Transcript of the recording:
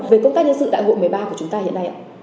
về công tác nhân sự đại hội một mươi ba của chúng ta hiện nay ạ